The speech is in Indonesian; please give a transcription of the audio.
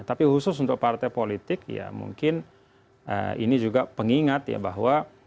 tapi khusus untuk partai politik ya mungkin ini juga pengingat ya bahwa